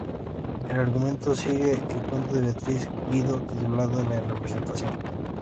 El argumento sigue el cuento de Beatriz Guido titulado "La representación".